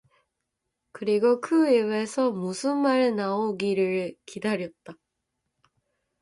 그리고 그의 입에서 무슨 말 나오기를 기다렸다.